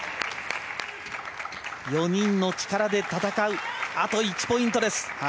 ４人の力で戦うあと１ポイントです。